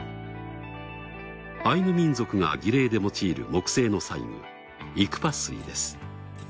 アイヌ民族が儀礼で用いる木製の祭具イクパスイです。